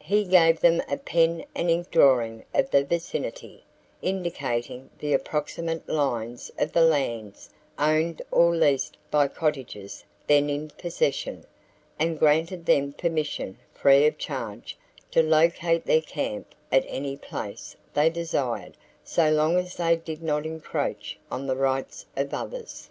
He gave them a pen and ink drawing of the vicinity, indicating the approximate lines of the lands owned or leased by cottagers then in possession, and granted them permission, free of charge, to locate their camp at any place they desired so long as they did not encroach on the rights of others.